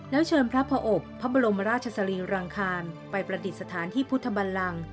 แล้วเชิญพระอบพระบรมราชสรีรังคารไปประดิษฐานที่พุทธบันลัง